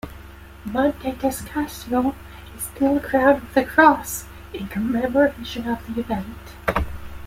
Monte Testaccio is still crowned with a cross in commemoration of the event.